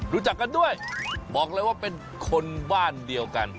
รู้จักกันด้วยบอกเลยว่าเป็นคนบ้านเดียวกัน